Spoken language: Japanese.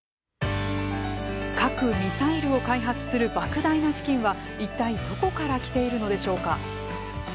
核・ミサイルを開発するばく大な資金はいったいどこから来ているのでしょうか。